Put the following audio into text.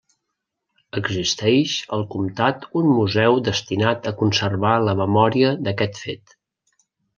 Existeix al comtat un museu destinat a conservar la memòria d'aquest fet.